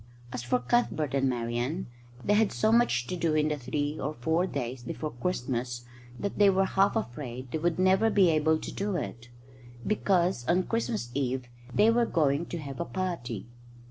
As for Cuthbert and Marian, they had so much to do in the three or four days before Christmas that they were half afraid they would never be able to do it, because on Christmas Eve they were going to have a party.